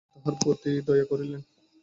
এমন সময় তাহার প্রতি তাহার প্রতি দয়া করিলেন।